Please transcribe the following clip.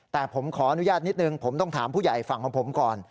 แต่ผมขออนุญาตนิดนึงผมต้องถามผู้ใหญ่ฝั่งของผมก่อน